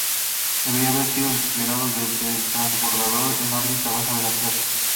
Debería haber sido desplegado desde el transbordador en órbita baja de la Tierra.